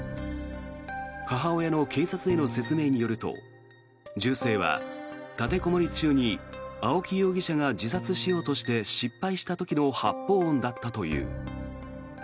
母親の警察への説明によると銃声は立てこもり中に青木容疑者が自殺しようとして、失敗した時の発砲音だったという。